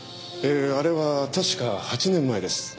あれは確か８年前です。